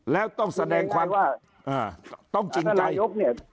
แล้วต้องแสดงความต้องจริงใจ